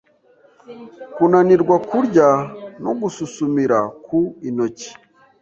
kunanirwa kurya no gususumira ku intoki